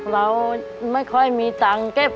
เราไม่ค่อยมีตังค์เก็บ